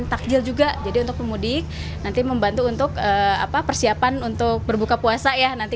takjil juga jadi untuk pemudik nanti membantu untuk apa persiapan untuk berbuka puasa ya nanti